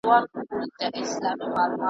چي څوک روژه خوري ورته ګوري دوږخونه عذاب .